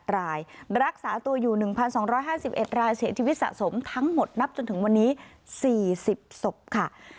รายรักษาตัวอยู่๑๒๕๑รายเสียชีวิตสะสมทั้งหมดนับจนถึงวันนี้๔๐ศพค่ะ